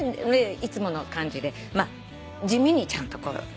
いつもの感じで地味にちゃんと。